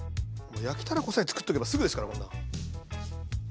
焼きたらこさえつくっとけばすぐですから。